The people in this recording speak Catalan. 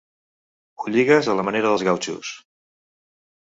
Ho lligues a la manera dels gautxos.